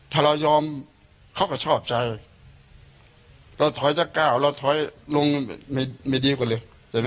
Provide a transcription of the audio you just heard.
ถ้าเรายอมเค้าก็ชอบใจเราถอยจะก้าวเราถอยลงไม่ดีกว่าเลยเห็นไหม